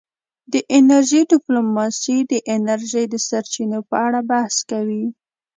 د انرژۍ ډیپلوماسي د انرژۍ د سرچینو په اړه بحث کوي